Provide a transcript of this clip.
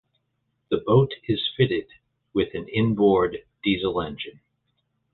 The boat is fitted with an inboard diesel engine.